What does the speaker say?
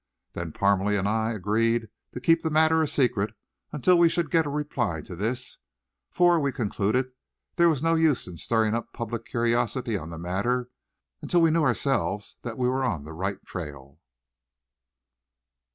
Then Parmalee and I agreed to keep the matter a secret until we should get a reply to this, for we concluded there was no use in stirring up public curiosity on the matter until we knew ourselves that we were on the right trail.